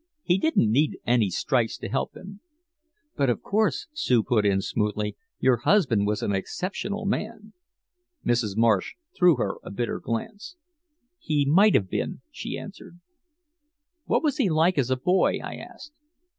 He didn't need any strikes to help him." "But of course," Sue put in smoothly, "your husband was an exceptional man." Mrs. Marsh threw her a bitter glance. "He might have been," she answered. "What was he like as a boy?" I asked.